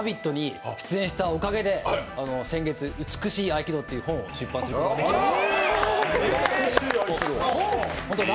そして「ラヴィット！」に出演したおかげで、先週「美しい合気道」という本を出版させていただきました。